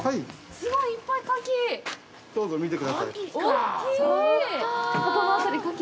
すごい！いっぱい牡蠣！